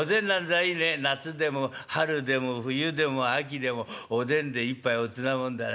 夏でも春でも冬でも秋でもおでんで一杯おつなもんだね。